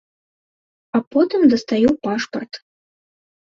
А потым дастаю пашпарт.